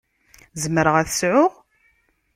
Zemreɣ ad t-sεuɣ?